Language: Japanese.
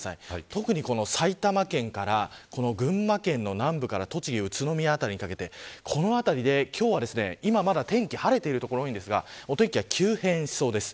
特に埼玉県から群馬県の南部から栃木、宇都宮辺りにかけてこの辺りで、今日は今まだ天気晴れている所が多いですがお天気が急変しそうです。